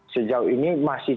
sejauh ini masih